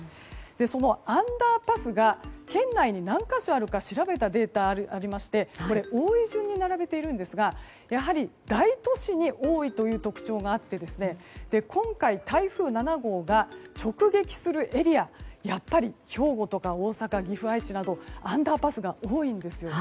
そのアンダーパスが県内に何か所あるか調べたデータがありまして多い順に並べたんですがやはり大都市に多い特徴があって今回、台風７号が直撃するエリアやっぱり兵庫とか大阪岐阜、愛知などアンダーパスが多いんですよね。